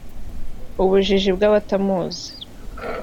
Ubujiji bw’abatamuzi